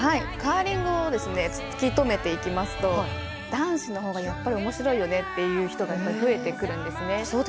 カーリングをつきとめていきますと男子のほうがやっぱりおもしろいよねという人が増えてくるんです。